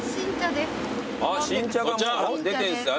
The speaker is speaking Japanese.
新茶がもう出てんすか？